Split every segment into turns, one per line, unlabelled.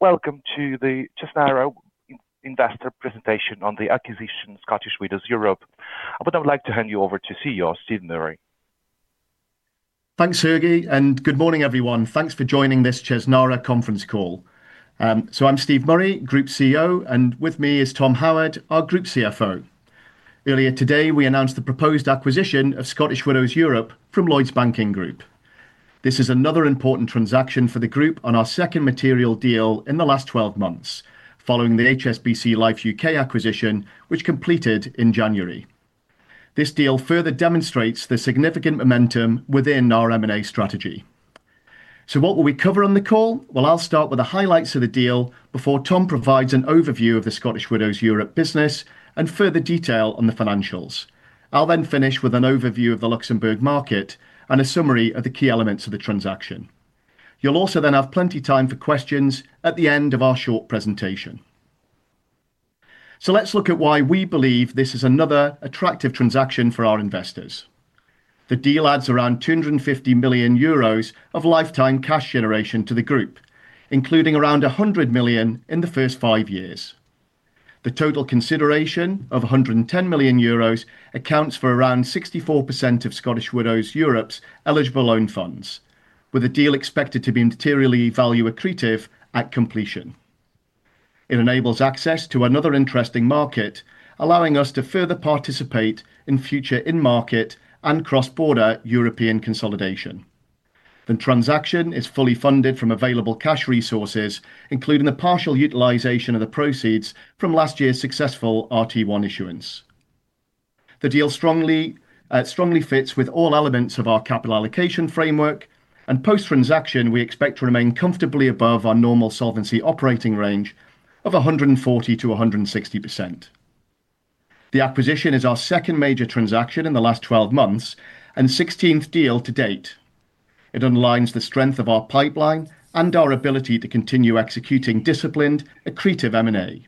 Welcome to the Chesnara investor presentation on the acquisition of Scottish Widows Europe. I would now like to hand you over to CEO, Steve Murray.
Thanks, Sergey, and good morning, everyone. Thanks for joining this Chesnara conference call. So I'm Steve Murray, Group CEO, and with me is Tom Howard, our Group CFO. Earlier today, we announced the proposed acquisition of Scottish Widows Europe from Lloyds Banking Group. This is another important transaction for the group on our second material deal in the last 12 months, following the HSBC Life U.K. acquisition, which completed in January. This deal further demonstrates the significant momentum within our M&A strategy. So what will we cover on the call? Well, I'll start with the highlights of the deal before Tom provides an overview of the Scottish Widows Europe business and further detail on the financials. I'll then finish with an overview of the Luxembourg market and a summary of the key elements of the transaction. You'll also then have plenty time for questions at the end of our short presentation. Let's look at why we believe this is another attractive transaction for our investors. The deal adds around 250 million euros of lifetime cash generation to the group, including around 100 million in the first five years. The total consideration of 110 million euros accounts for around 64% of Scottish Widows Europe's eligible own funds, with the deal expected to be materially value accretive at completion. It enables access to another interesting market, allowing us to further participate in future in-market and cross-border European consolidation. The transaction is fully funded from available cash resources, including the partial utilization of the proceeds from last year's successful RT1 issuance. The deal strongly, strongly fits with all elements of our capital allocation framework, and post-transaction, we expect to remain comfortably above our normal solvency operating range of 140%-160%. The acquisition is our second major transaction in the last 12 months and 16th deal to date. It underlines the strength of our pipeline and our ability to continue executing disciplined, accretive M&A.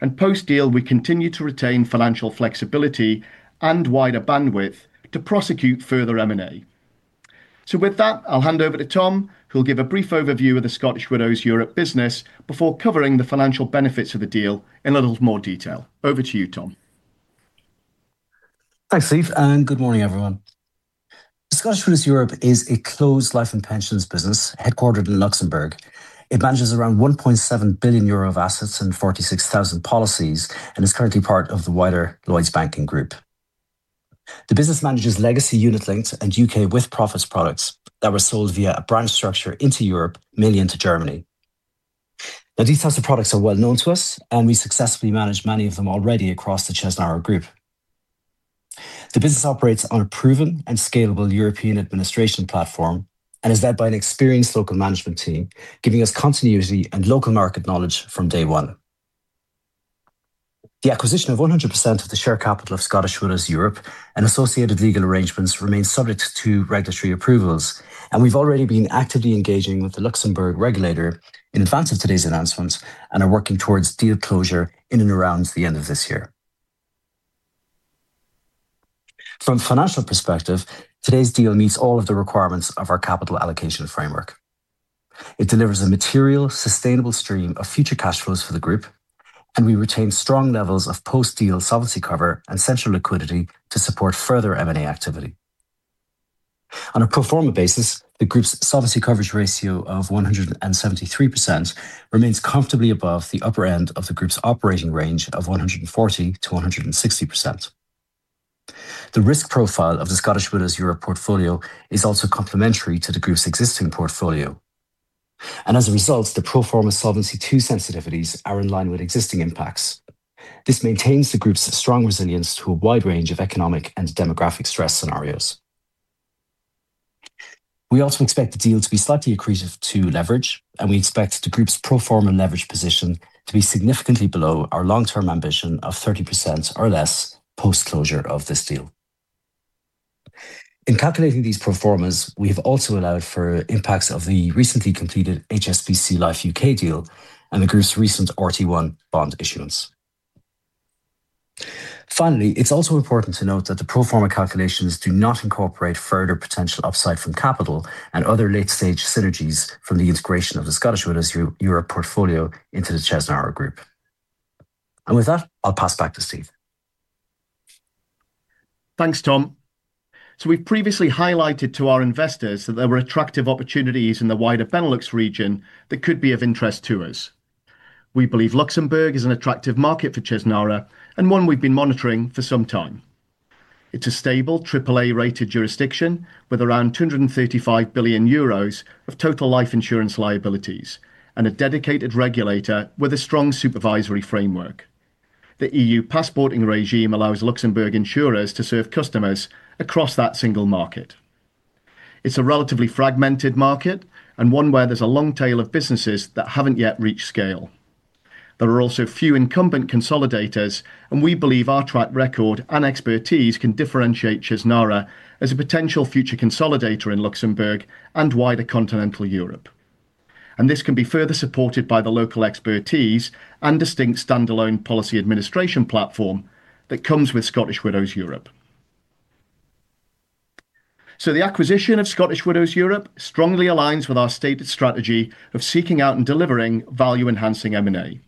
And post-deal, we continue to retain financial flexibility and wider bandwidth to prosecute further M&A. So with that, I'll hand over to Tom, who'll give a brief overview of the Scottish Widows Europe business before covering the financial benefits of the deal in a little more detail. Over to you, Tom.
Thanks, Steve, and good morning, everyone. Scottish Widows Europe is a closed life and pensions business, headquartered in Luxembourg. It manages around 1.7 billion euro of assets and 46,000 policies and is currently part of the wider Lloyds Banking Group. The business manages legacy unit-linked and U.K. with-profits products that were sold via a branch structure into Europe, mainly into Germany. Now, these types of products are well-known to us, and we successfully manage many of them already across the Chesnara group. The business operates on a proven and scalable European administration platform and is led by an experienced local management team, giving us continuity and local market knowledge from day one. The acquisition of 100% of the share capital of Scottish Widows Europe and associated legal arrangements remains subject to regulatory approvals, and we've already been actively engaging with the Luxembourg regulator in advance of today's announcements and are working towards deal closure in and around the end of this year. From a financial perspective, today's deal meets all of the requirements of our capital allocation framework. It delivers a material, sustainable stream of future cash flows for the group, and we retain strong levels of post-deal solvency cover and central liquidity to support further M&A activity. On a pro forma basis, the group's solvency coverage ratio of 173% remains comfortably above the upper end of the group's operating range of 140%-160%. The risk profile of the Scottish Widows Europe portfolio is also complementary to the group's existing portfolio, and as a result, the pro forma Solvency II sensitivities are in line with existing impacts. This maintains the group's strong resilience to a wide range of economic and demographic stress scenarios. We also expect the deal to be slightly accretive to leverage, and we expect the group's pro forma leverage position to be significantly below our long-term ambition of 30% or less post-closure of this deal. In calculating these pro formas, we have also allowed for impacts of the recently completed HSBC Life U.K. deal and the group's recent RT1 Bond issuance. Finally, it's also important to note that the pro forma calculations do not incorporate further potential upside from capital and other late-stage synergies from the integration of the Scottish Widows Europe portfolio into the Chesnara group. With that, I'll pass back to Steve.
Thanks, Tom. We've previously highlighted to our investors that there were attractive opportunities in the wider Benelux region that could be of interest to us. We believe Luxembourg is an attractive market for Chesnara and one we've been monitoring for some time. It's a stable, triple A-rated jurisdiction with around 235 billion euros of total life insurance liabilities and a dedicated regulator with a strong supervisory framework. The EU passporting regime allows Luxembourg insurers to serve customers across that single market. It's a relatively fragmented market and one where there's a long tail of businesses that haven't yet reached scale. There are also few incumbent consolidators, and we believe our track record and expertise can differentiate Chesnara as a potential future consolidator in Luxembourg and wider continental Europe. This can be further supported by the local expertise and distinct standalone policy administration platform that comes with Scottish Widows Europe. So the acquisition of Scottish Widows Europe strongly aligns with our stated strategy of seeking out and delivering value-enhancing M&A.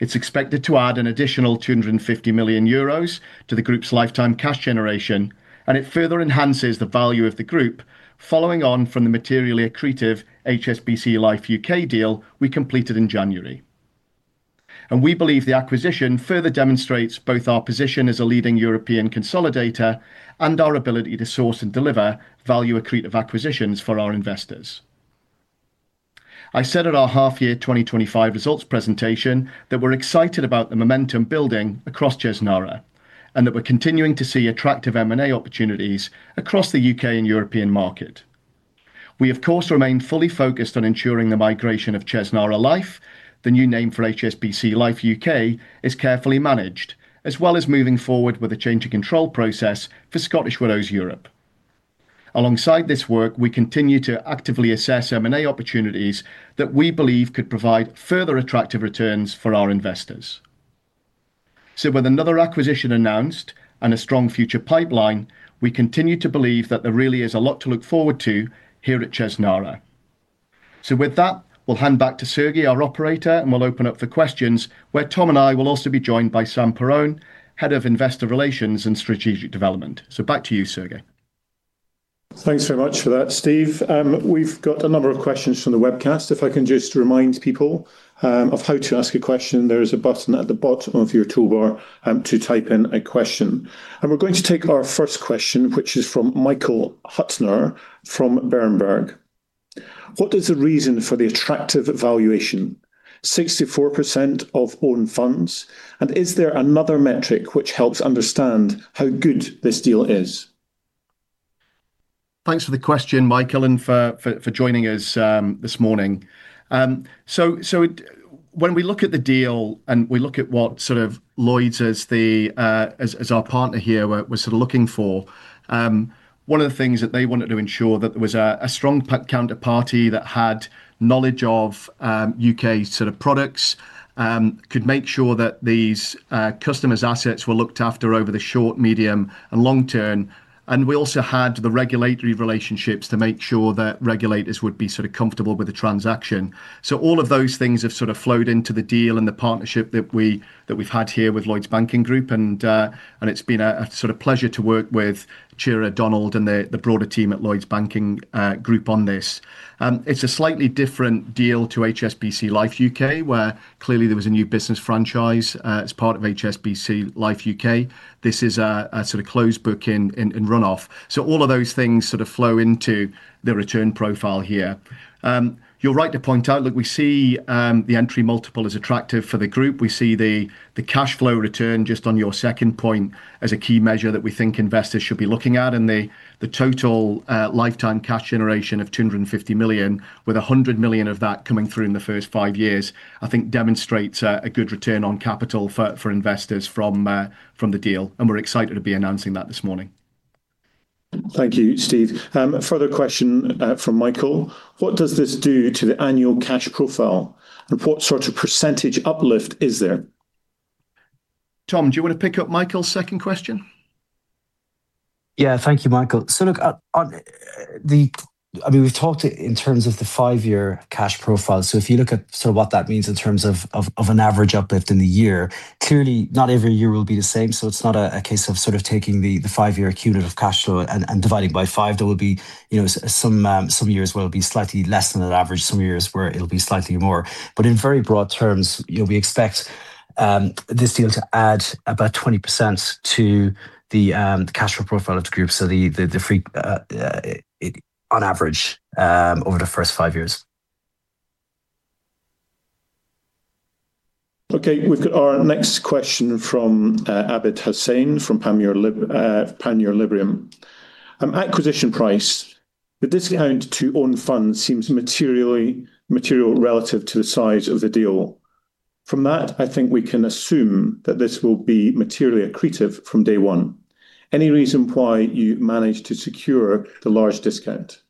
It's expected to add an additional 250 million euros to the group's lifetime cash generation, and it further enhances the value of the group, following on from the materially accretive HSBC Life U.K. deal we completed in January. We believe the acquisition further demonstrates both our position as a leading European consolidator and our ability to source and deliver value accretive acquisitions for our investors. I said at our half-year 2025 results presentation, that we're excited about the momentum building across Chesnara, and that we're continuing to see attractive M&A opportunities across the U.K. and European market. We, of course, remain fully focused on ensuring the migration of Chesnara Life, the new name for HSBC Life U.K., is carefully managed, as well as moving forward with the change of control process for Scottish Widows Europe. Alongside this work, we continue to actively assess M&A opportunities that we believe could provide further attractive returns for our investors. So with another acquisition announced and a strong future pipeline, we continue to believe that there really is a lot to look forward to here at Chesnara. So with that, we'll hand back to Sergey, our operator, and we'll open up for questions, where Tom and I will also be joined by Sam Perowne, Head of Investor Relations and Strategic Development. So back to you, Sergey.
Thanks very much for that, Steve. We've got a number of questions from the webcast. If I can just remind people of how to ask a question, there is a button at the bottom of your toolbar to type in a question. And we're going to take our first question, which is from Michael Huttner, from Berenberg. What is the reason for the attractive valuation, 64% of own funds? And is there another metric which helps understand how good this deal is?
Thanks for the question, Michael, and for joining us this morning. When we look at the deal and we look at what sort of Lloyds as our partner here were sort of looking for, one of the things that they wanted to ensure that there was a strong counterparty that had knowledge of U.K. sort of products, could make sure that these customers' assets were looked after over the short, medium, and long term, and we also had the regulatory relationships to make sure that regulators would be sort of comfortable with the transaction. So all of those things have sort of flowed into the deal and the partnership that we've had here with Lloyds Banking Group, and it's been a sort of pleasure to work with Ciara Donald and the broader team at Lloyds Banking Group on this. It's a slightly different deal to HSBC Life U.K., where clearly there was a new business franchise as part of HSBC Life U.K.. This is a sort of closed book in run-off. So all of those things sort of flow into the return profile here. You're right to point out, look, we see the entry multiple as attractive for the group. We see the cash flow return, just on your second point, as a key measure that we think investors should be looking at, and the total lifetime cash generation of 250 million, with 100 million of that coming through in the first five years, I think demonstrates a good return on capital for investors from the deal, and we're excited to be announcing that this morning.
Thank you, Steve. A further question from Michael: What does this do to the annual cash profile, and what sort of percentage uplift is there?
Tom, do you want to pick up Michael's second question?
Yeah, thank you, Michael. So look, on the... I mean, we've talked in terms of the five-year cash profile. So if you look at sort of what that means in terms of an average uplift in the year, clearly, not every year will be the same, so it's not a case of sort of taking the five-year cumulative cash flow and dividing by five. There will be, you know, some years where it'll be slightly less than an average, some years where it'll be slightly more. But in very broad terms, you know, we expect this deal to add about 20% to the cash flow profile of the group, so the free on average over the first five years.
Okay, we've got our next question from Abid Hussain, from Panmure Liberum. Acquisition price. The discount to own funds seems materially material relative to the size of the deal. From that, I think we can assume that this will be materially accretive from day one. Any reason why you managed to secure the large discount?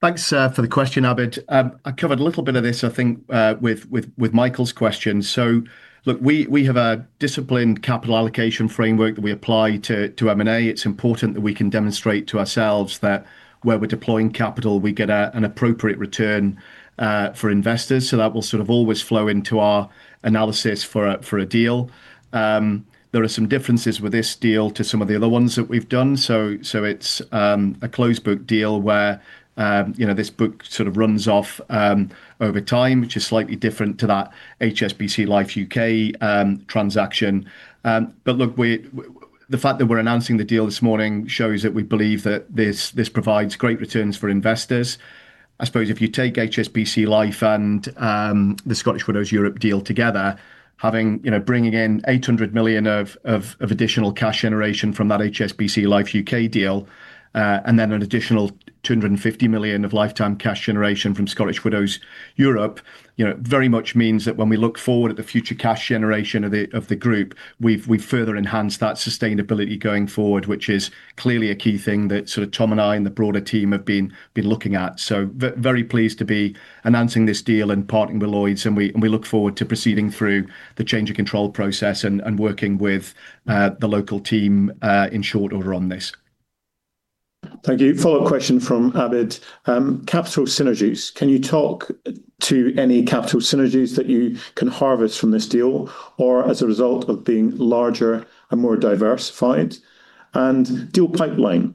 Thanks for the question, Abid. I covered a little bit of this, I think, with Michael's question. So look, we have a disciplined capital allocation framework that we apply to M&A. It's important that we can demonstrate to ourselves that where we're deploying capital, we get an appropriate return for investors, so that will sort of always flow into our analysis for a deal. There are some differences with this deal to some of the other ones that we've done. So it's a closed book deal where you know, this book sort of runs off over time, which is slightly different to that HSBC Life U.K. transaction. But look, the fact that we're announcing the deal this morning shows that we believe that this provides great returns for investors. I suppose if you take HSBC Life and the Scottish Widows Europe deal together, having, you know, bringing in 800 million of additional cash generation from that HSBC Life U.K. deal, and then an additional 250 million of lifetime cash generation from Scottish Widows Europe, you know, very much means that when we look forward at the future cash generation of the group, we've further enhanced that sustainability going forward, which is clearly a key thing that sort of Tom and I and the broader team have been looking at. So very pleased to be announcing this deal and partnering with Lloyds, and we look forward to proceeding through the change of control process and working with the local team in short order on this. ...
Thank you. Follow-up question from Abid. Capital synergies. Can you talk to any capital synergies that you can harvest from this deal, or as a result of being larger and more diversified? And deal pipeline,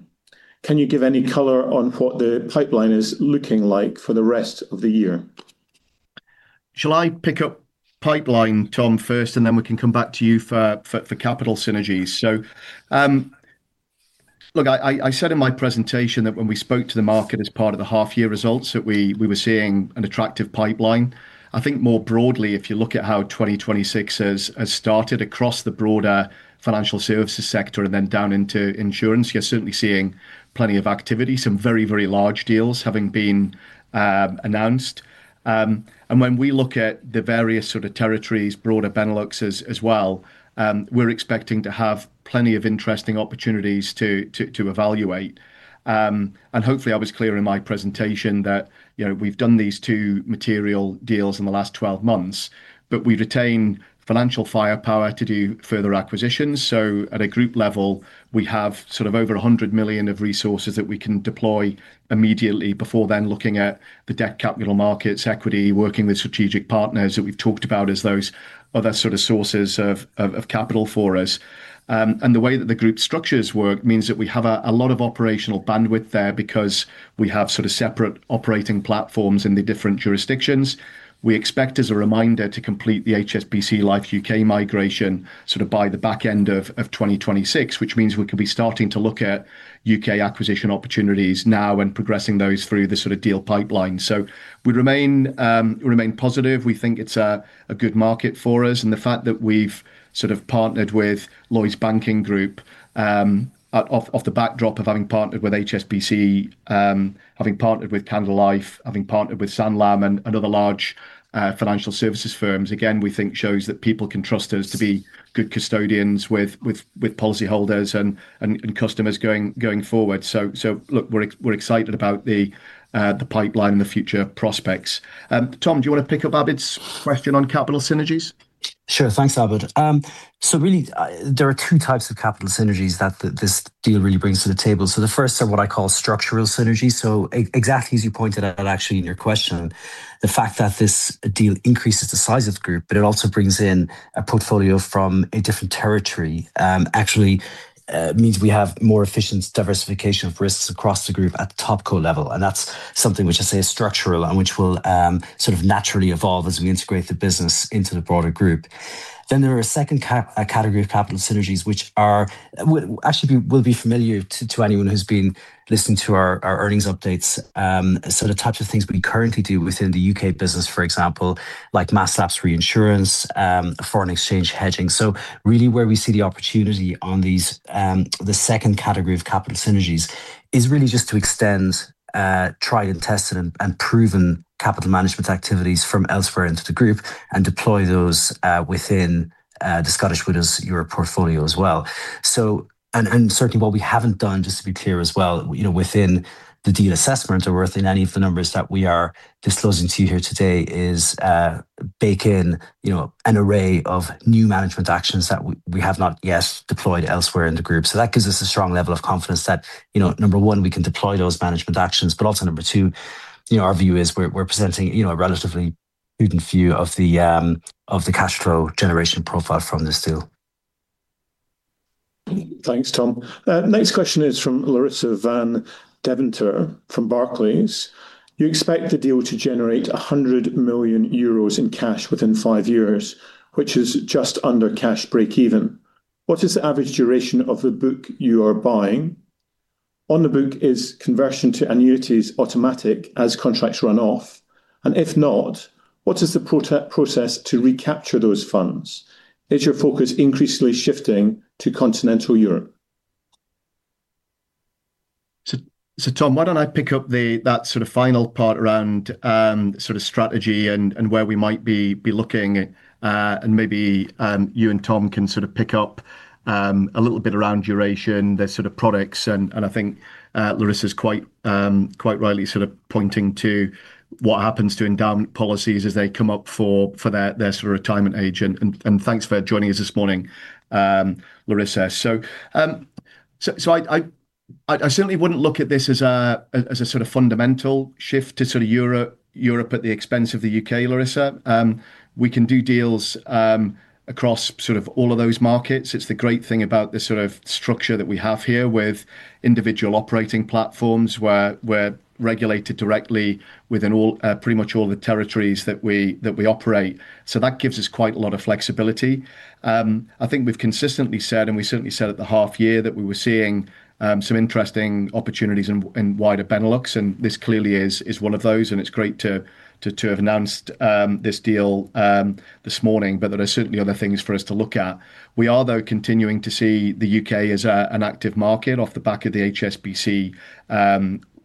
can you give any color on what the pipeline is looking like for the rest of the year?
Shall I pick up pipeline, Tom, first, and then we can come back to you for capital synergies? So, look, I said in my presentation that when we spoke to the market as part of the half-year results, that we were seeing an attractive pipeline. I think more broadly, if you look at how 2026 has started across the broader financial services sector and then down into insurance, you're certainly seeing plenty of activity. Some very, very large deals having been announced. And when we look at the various sort of territories, broader Benelux as well, we're expecting to have plenty of interesting opportunities to evaluate. Hopefully, I was clear in my presentation that, you know, we've done these two material deals in the last 12 months, but we've retained financial firepower to do further acquisitions. At a group level, we have sort of over 100 million of resources that we can deploy immediately before then looking at the debt capital markets, equity, working with strategic partners that we've talked about as those other sort of sources of capital for us. And the way that the group structures work means that we have a lot of operational bandwidth there because we have sort of separate operating platforms in the different jurisdictions. We expect, as a reminder, to complete the HSBC Life U.K. migration sort of by the back end of 2026, which means we can be starting to look at U.K. acquisition opportunities now and progressing those through the sort of deal pipeline. So we remain positive. We think it's a good market for us, and the fact that we've sort of partnered with Lloyds Banking Group on the backdrop of having partnered with HSBC, having partnered with Canada Life, having partnered with Sanlam and other large financial services firms, again, we think shows that people can trust us to be good custodians with policyholders and customers going forward. So look, we're excited about the pipeline and the future prospects. Tom, do you wanna pick up Abid's question on capital synergies?
Sure. Thanks, Abid. So really, there are two types of capital synergies that this deal really brings to the table. So the first are what I call structural synergies. So exactly as you pointed out, actually, in your question, the fact that this deal increases the size of the group, but it also brings in a portfolio from a different territory, actually, means we have more efficient diversification of risks across the group at the top co level, and that's something which I say is structural and which will, sort of naturally evolve as we integrate the business into the broader group. Then there are a second category of capital synergies, which are... Actually, will be familiar to anyone who's been listening to our earnings updates. So the types of things we currently do within the U.K. business, for example, like mass lapse reinsurance, foreign exchange hedging. So really where we see the opportunity on these, the second category of capital synergies is really just to extend, try and test and proven capital management activities from elsewhere into the group and deploy those, within the Scottish Widows Europe portfolio as well. So certainly what we haven't done, just to be clear as well, you know, within the deal assessment or within any of the numbers that we are disclosing to you here today, is bake in, you know, an array of new management actions that we have not yet deployed elsewhere in the group. So that gives us a strong level of confidence that, you know, number one, we can deploy those management actions, but also, number two, you know, our view is we're presenting, you know, a relatively prudent view of the cash flow generation profile from this deal.
Thanks, Tom. Next question is from Larissa Van Deventer from Barclays. You expect the deal to generate 100 million euros in cash within five years, which is just under cash breakeven. What is the average duration of the book you are buying? On the book, is conversion to annuities automatic as contracts run off? And if not, what is the process to recapture those funds? Is your focus increasingly shifting to continental Europe?
Tom, why don't I pick up that sort of final part around, sort of strategy and where we might be looking, and maybe you and Tom can sort of pick up a little bit around duration, the sort of products, and I think Larissa is quite, quite rightly sort of pointing to what happens to endowment policies as they come up for their sort of retirement age. Thanks for joining us this morning, Larissa. I certainly wouldn't look at this as a sort of fundamental shift to Europe at the expense of the U.K., Larissa. We can do deals across all of those markets. It's the great thing about the sort of structure that we have here with individual operating platforms, where we're regulated directly within all, pretty much all the territories that we, that we operate. So that gives us quite a lot of flexibility. I think we've consistently said, and we certainly said at the half year, that we were seeing some interesting opportunities in, in wider Benelux, and this clearly is, is one of those, and it's great to, to, to have announced this deal this morning. But there are certainly other things for us to look at. We are, though, continuing to see the U.K. as a, an active market off the back of the HSBC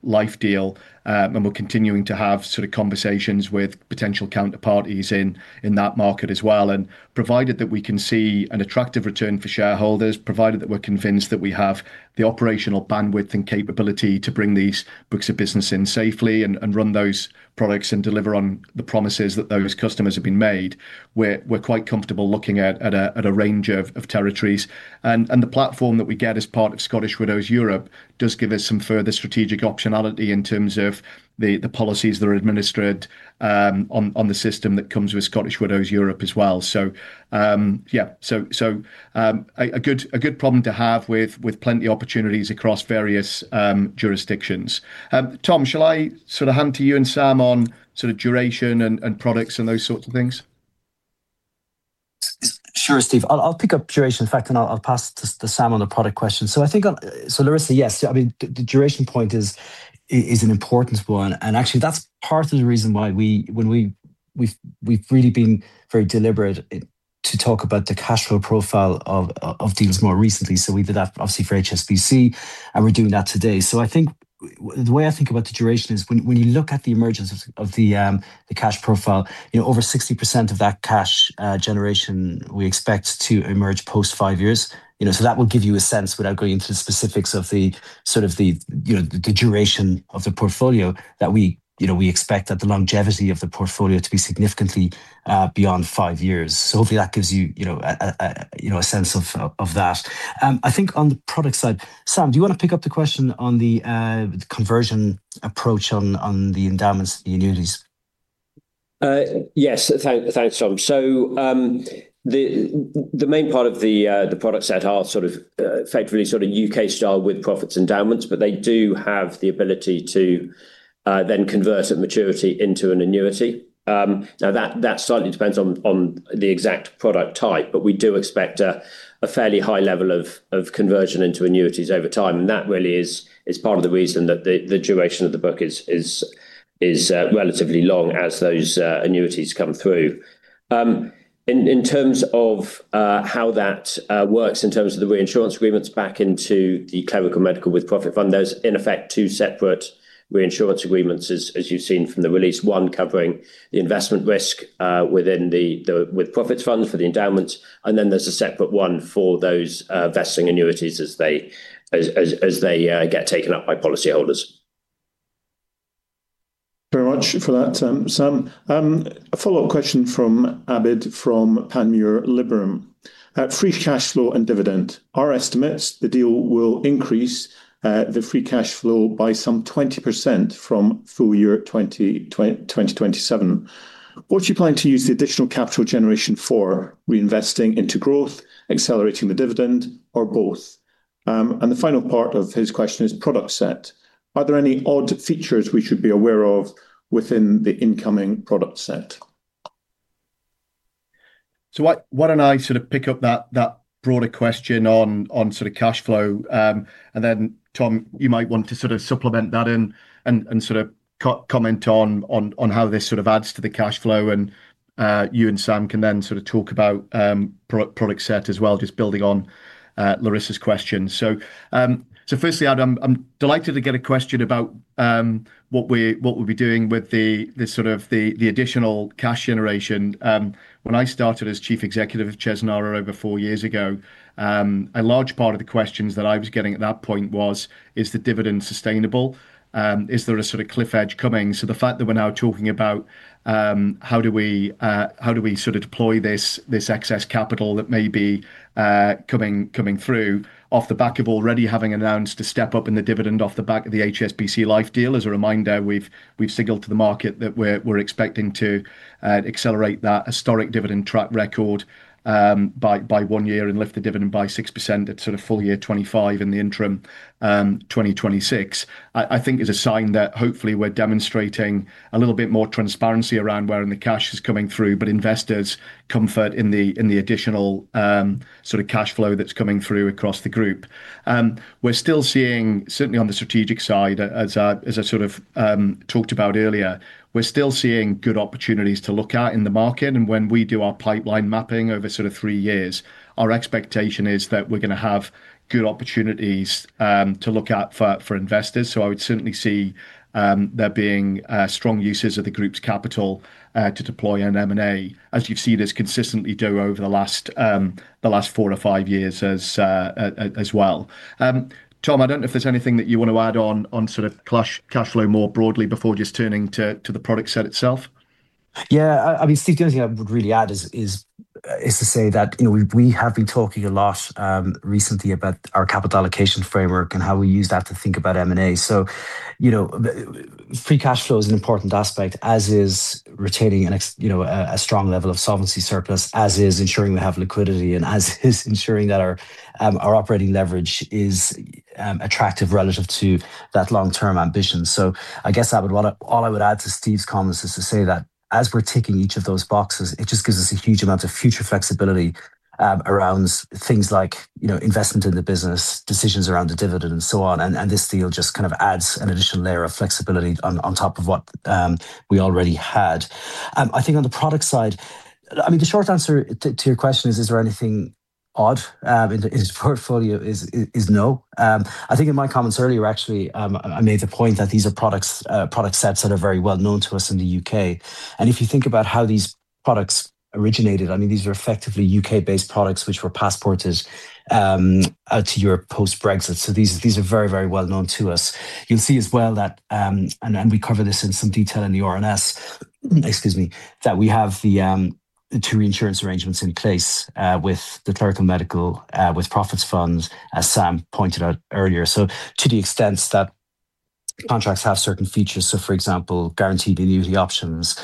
life deal, and we're continuing to have sort of conversations with potential counterparties in, in that market as well. And provided that we can see an attractive return for shareholders, provided that we're convinced that we have the operational bandwidth and capability to bring these books of business in safely and run those products and deliver on the promises that those customers have been made, we're quite comfortable looking at a range of territories. And the platform that we get as part of Scottish Widows Europe does give us some further strategic optionality in terms of the policies that are administered on the system that comes with Scottish Widows Europe as well. So, yeah, a good problem to have with plenty of opportunities across various jurisdictions. Tom, shall I hand to you and Sam on duration and products and those sorts of things?...
Sure, Steve. I'll pick up duration, in fact, and I'll pass to Sam on the product question. So I think so Larissa, yes, I mean, the duration point is an important one, and actually that's part of the reason why we've really been very deliberate in to talk about the cash flow profile of deals more recently. So we did that obviously for HSBC, and we're doing that today. So I think the way I think about the duration is when you look at the emergence of the cash profile, you know, over 60% of that cash generation, we expect to emerge post five years. You know, so that will give you a sense, without going into the specifics of the, sort of the, you know, the duration of the portfolio, that we, you know, we expect that the longevity of the portfolio to be significantly beyond five years. So hopefully that gives you, you know, a sense of that. I think on the product side, Sam, do you want to pick up the question on the conversion approach on the endowments, the annuities?
Yes, thanks, Tom. So, the main part of the product set are sort of effectively sort of U.K. style with profits endowments, but they do have the ability to then convert at maturity into an annuity. Now, that slightly depends on the exact product type, but we do expect a fairly high level of conversion into annuities over time. And that really is part of the reason that the duration of the book is relatively long as those annuities come through. In terms of how that works in terms of the reinsurance agreements back into the Clerical Medical with-profit fund, there's, in effect, two separate reinsurance agreements as you've seen from the release. One covering the investment risk within the with-profits fund for the endowments, and then there's a separate one for those vesting annuities as they get taken up by policyholders.
Thank you very much for that, Sam. A follow-up question from Abid, from Panmure Liberum. Free cash flow and dividend. Our estimates, the deal will increase the free cash flow by some 20% from full year 2027. What do you plan to use the additional capital generation for? Reinvesting into growth, accelerating the dividend, or both? And the final part of his question is product set. Are there any odd features we should be aware of within the incoming product set?
Why don't I sort of pick up that broader question on sort of cash flow, and then, Tom, you might want to sort of supplement that and sort of comment on how this sort of adds to the cash flow, and you and Sam can then sort of talk about product set as well, just building on Larissa's question. Firstly, I'm delighted to get a question about what we, what we'll be doing with the sort of the additional cash generation. When I started as Chief Executive Officer of Chesnara over four years ago, a large part of the questions that I was getting at that point was: Is the dividend sustainable? Is there a sort of cliff edge coming? So the fact that we're now talking about how do we sort of deploy this excess capital that may be coming through off the back of already having announced a step up in the dividend off the back of the HSBC Life deal. As a reminder, we've signaled to the market that we're expecting to accelerate that historic dividend track record by one year and lift the dividend by 6% at sort of full year 2025 in the interim, 2026. I think it's a sign that hopefully we're demonstrating a little bit more transparency around wherein the cash is coming through, but investors' comfort in the additional sort of cash flow that's coming through across the group. We're still seeing, certainly on the strategic side, as I sort of talked about earlier, we're still seeing good opportunities to look at in the market. When we do our pipeline mapping over sort of three years, our expectation is that we're gonna have good opportunities to look out for investors. I would certainly see there being strong uses of the group's capital to deploy on M&A, as you've seen us consistently do over the last four to five years as well. Tom, I don't know if there's anything that you want to add on sort of cash flow more broadly before just turning to the product set itself.
Yeah, I mean, Steve, the only thing I would really add is to say that, you know, we have been talking a lot recently about our capital allocation framework and how we use that to think about M&A. So, you know, free cash flow is an important aspect, as is retaining a strong level of solvency surplus, as is ensuring we have liquidity, and as is ensuring that our operating leverage is attractive relative to that long-term ambition. So I guess I would wanna... All I would add to Steve's comments is to say that as we're ticking each of those boxes, it just gives us a huge amount of future flexibility around things like, you know, investment in the business, decisions around the dividend, and so on. This deal just kind of adds an additional layer of flexibility on top of what we already had. I think on the product side, I mean, the short answer to your question is there anything odd in the portfolio? No. I think in my comments earlier, actually, I made the point that these are products, product sets that are very well known to us in the U.K.. And if you think about how these products originated, I mean, these are effectively U.K.-based products which were passported to Europe post-Brexit. So these are very, very well known to us. You'll see as well that, and we cover this in some detail in the RNS, excuse me, that we have the two reinsurance arrangements in place, with the Clerical Medical with-profits funds, as Sam pointed out earlier. So to the extent that contracts have certain features. So, for example, guaranteed annuity options,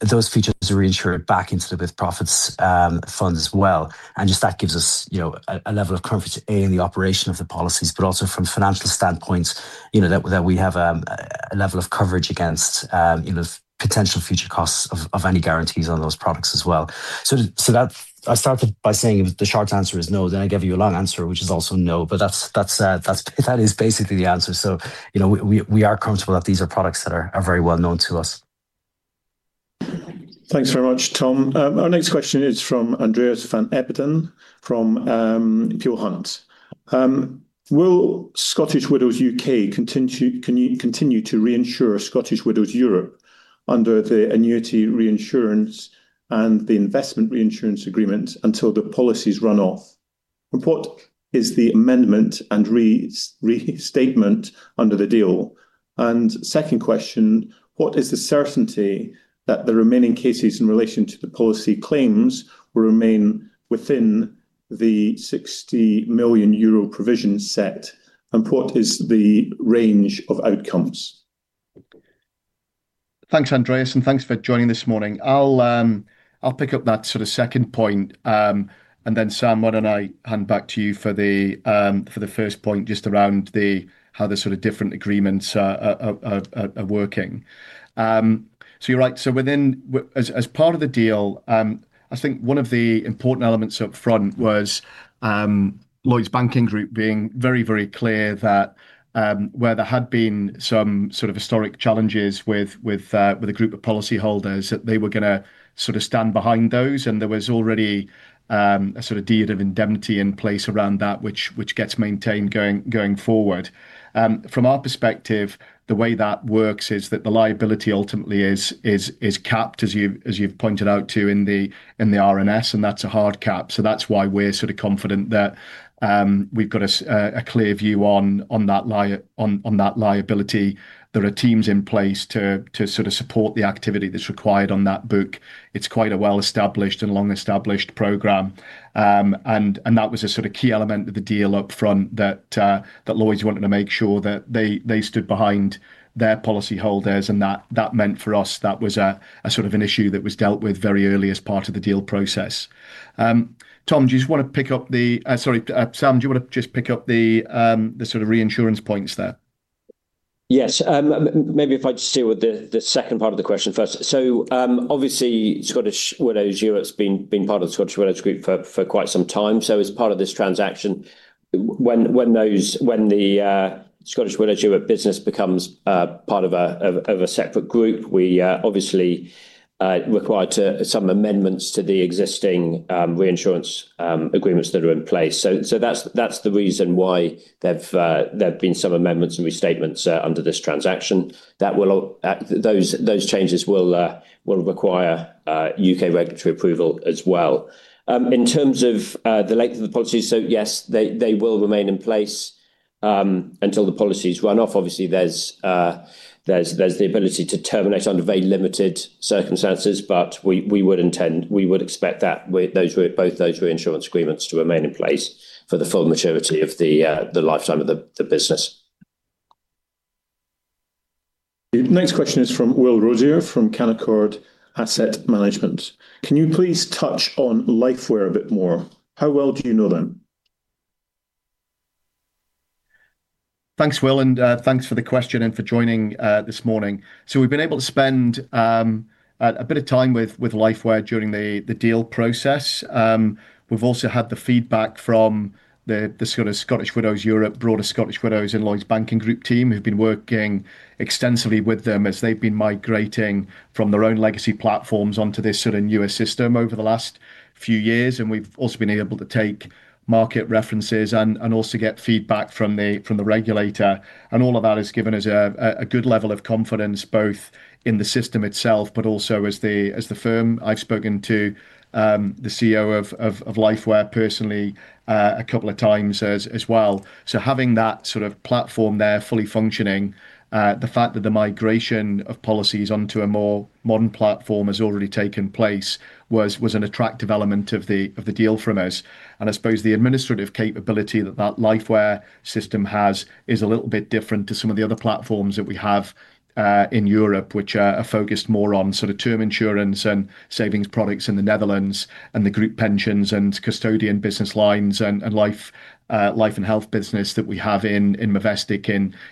those features are reinsured back into the with-profits fund as well. And just that gives us, you know, a level of comfort in the operation of the policies, but also from financial standpoint, you know, that we have a level of coverage against, you know, potential future costs of any guarantees on those products as well. So, that I started by saying the short answer is no, then I gave you a long answer, which is also no, but that's, that is basically the answer. So, you know, we are comfortable that these are products that are very well known to us.
Thanks very much, Tom. Our next question is from Andreas van Embden, from Peel Hunt. Can you continue to reinsure Scottish Widows Europe under the annuity reinsurance and the investment reinsurance agreement until the policies run off? And what is the amendment and re-statement under the deal? And second question: What is the certainty that the remaining cases in relation to the policy claims will remain within the 60 million euro provision set? And what is the range of outcomes?
Thanks, Andreas, and thanks for joining this morning. I'll, I'll pick up that sort of second point, and then, Sam, why don't I hand back to you for the, for the first point, just around the, how the sort of different agreements are working. So you're right. So within, as part of the deal, I think one of the important elements up front was, Lloyds Banking Group being very, very clear that, where there had been some sort of historic challenges with, with, a group of policyholders, that they were gonna sort of stand behind those, and there was already, a sort of deed of indemnity in place around that, which gets maintained going forward. From our perspective, the way that works is that the liability ultimately is capped, as you've pointed out in the RNS, and that's a hard cap. So that's why we're sort of confident that we've got a clear view on that liability. There are teams in place to sort of support the activity that's required on that book. It's quite a well-established and long-established program. And that was a sort of key element of the deal up front that Lloyds wanted to make sure that they stood behind their policyholders, and that meant for us, that was a sort of an issue that was dealt with very early as part of the deal process. Tom, do you just want to pick up the... Sorry, Sam, do you want to just pick up the, the sort of reinsurance points there?
Yes. Maybe if I just deal with the second part of the question first. So, obviously, Scottish Widows Europe's been part of the Scottish Widows Group for quite some time. So as part of this transaction, when the Scottish Widows Europe business becomes part of a separate group, we obviously required to some amendments to the existing reinsurance agreements that are in place. So, that's the reason why there've been some amendments and restatements under this transaction. Those changes will require U.K. regulatory approval as well. In terms of the length of the policy, so yes, they will remain in place until the policies run off. Obviously, there's the ability to terminate under very limited circumstances, but we would expect that with those, both those reinsurance agreements to remain in place for the full maturity of the lifetime of the business.
The next question is from Will Mager, from Canaccord Asset Management. Can you please touch on Lifeware a bit more? How well do you know them?
Thanks, Will, and thanks for the question and for joining this morning. So we've been able to spend a bit of time with Lifeware during the deal process. We've also had the feedback from the sort of Scottish Widows Europe, broader Scottish Widows, and Lloyds Banking Group team, who've been working extensively with them as they've been migrating from their own legacy platforms onto this sort of newer system over the last few years. And we've also been able to take market references and also get feedback from the regulator. And all of that has given us a good level of confidence, both in the system itself, but also as the firm. I've spoken to the CEO of Lifeware personally a couple of times as well. So having that sort of platform there, fully functioning, the fact that the migration of policies onto a more modern platform has already taken place, was an attractive element of the deal from us. And I suppose the administrative capability that that Lifeware system has is a little bit different to some of the other platforms that we have in Europe, which are focused more on sort of term insurance and savings products in the Netherlands, and the group pensions and custodian business lines, and life and health business that we have in Movestic,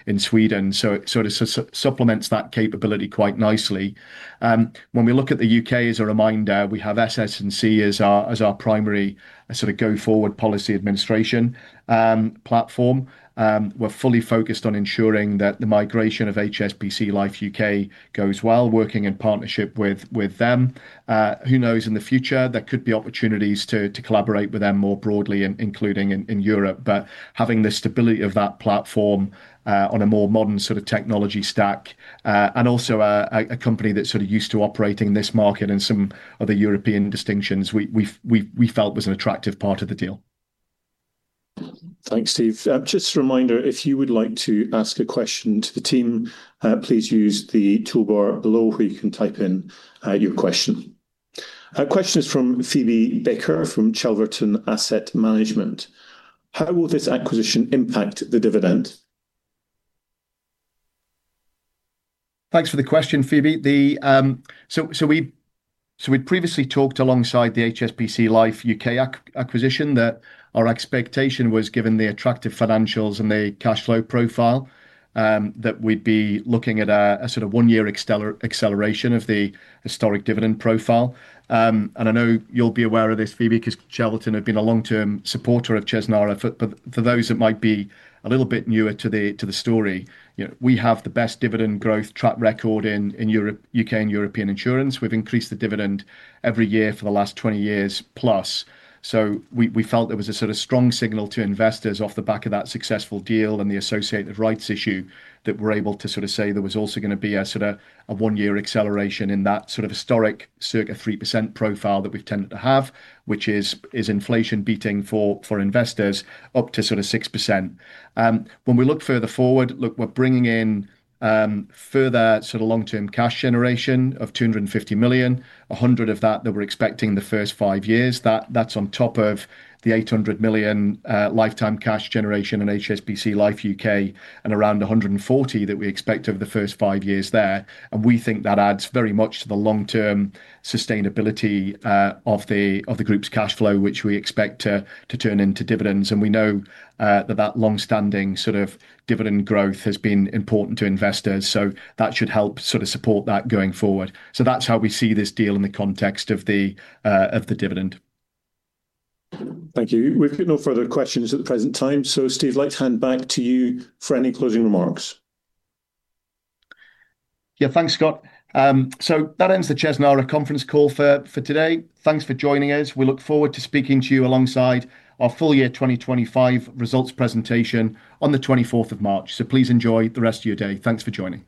in Sweden. So it sort of supplements that capability quite nicely. When we look at the U.K., as a reminder, we have SS&C as our primary sort of go-forward policy administration platform. We're fully focused on ensuring that the migration of HSBC Life U.K. goes well, working in partnership with them. Who knows, in the future, there could be opportunities to collaborate with them more broadly, including in Europe. But having the stability of that platform on a more modern sort of technology stack, and also a company that's sort of used to operating in this market and some other European distinctions, we felt was an attractive part of the deal.
Thanks, Steve. Just a reminder, if you would like to ask a question to the team, please use the toolbar below where you can type in your question. Our question is from Phoebe Baker, from Chelverton Asset Management. How will this acquisition impact the dividend?
Thanks for the question, Phoebe. So we'd previously talked alongside the HSBC Life U.K. acquisition, that our expectation was, given the attractive financials and the cash flow profile, that we'd be looking at a sort of one-year acceleration of the historic dividend profile. And I know you'll be aware of this, Phoebe, 'cause Chelverton had been a long-term supporter of Chesnara. But for those that might be a little bit newer to the story, you know, we have the best dividend growth track record in Europe, U.K., and European insurance. We've increased the dividend every year for the last 20 years plus. We felt there was a sort of strong signal to investors off the back of that successful deal and the associated rights issue, that we're able to sort of say there was also gonna be a sort of a one-year acceleration in that sort of historic circa 3% profile that we've tended to have, which is inflation beating for investors up to sort of 6%. When we look further forward, look, we're bringing in further sort of long-term cash generation of 250 million, 100 of that, that we're expecting the first five years. That's on top of the 800 million lifetime cash generation in HSBC Life U.K., and around 140 million that we expect over the first five years there. We think that adds very much to the long-term sustainability of the group's cash flow, which we expect to turn into dividends. We know that that long-standing sort of dividend growth has been important to investors, so that should help sort of support that going forward. That's how we see this deal in the context of the dividend.
Thank you. We've got no further questions at the present time, so Steve, I'd like to hand back to you for any closing remarks.
Yeah, thanks, Sergey. So that ends the Chesnara conference call for, for today. Thanks for joining us. We look forward to speaking to you alongside our full year 2025 results presentation on the 24th of March. So please enjoy the rest of your day. Thanks for joining.